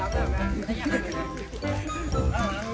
ก้าว